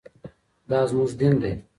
دا زموږ دین دی.